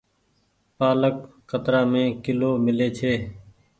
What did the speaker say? پآلڪ ڪترآ مي ڪلو ميلي ڇي۔